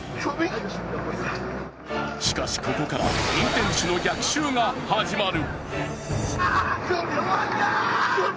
しかしここから、運転手の逆襲が始まる。